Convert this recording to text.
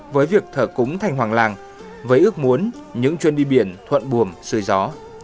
với việc thờ cúng thành hoàng làng với ước muốn những chuyên đi biển thuận buồm sươi gió